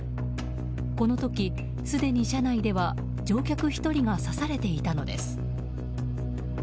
この時すでに車内では乗客１人が刺されていたのです。